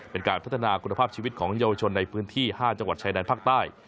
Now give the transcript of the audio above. เป็นการพัฒนาคุณภาพชีวิตของเยาวชนในพื้นที่๕จังหวัดชายแดนภาคใต้